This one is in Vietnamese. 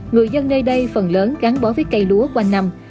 người dân nơi đây phần lớn gắn bó với cây lúa quanh năm